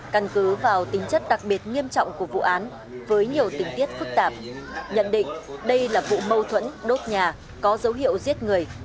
căn cứ vào tính chất đặc biệt nghiêm trọng của vụ án với nhiều tình tiết phức tạp nhận định đây là vụ mâu thuẫn đốt nhà có dấu hiệu giết người